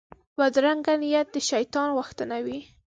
بدرنګه نیت د شیطان غوښتنه وي